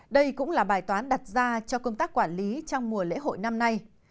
đây cũng là bài toán đặt ra cho công tác quản lý trong mùa lễ hội năm nay